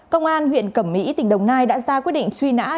công an huyện cẩm mỹ tỉnh đồng nai đã ra quyết định truy nã